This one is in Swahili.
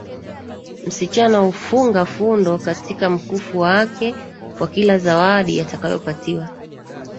Msichana hufunga fundo katika mkufu wake kwa kila zawadi atakayopatiwa